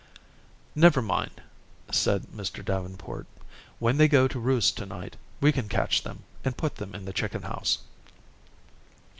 "Never mind," said Mr. Davenport; "when they go to roost to night, we can catch them, and put them in the chicken house."